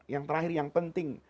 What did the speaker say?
yang terakhir yang penting